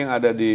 yang ada di mana